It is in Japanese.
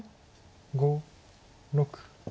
５６。